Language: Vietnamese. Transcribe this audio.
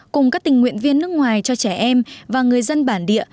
cùng các tình nguyện viên nước ngoài cho trẻ em và người dân bản địa